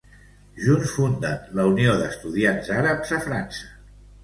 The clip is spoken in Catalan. Junts funden la Unió d'Estudiants Àrabs a França.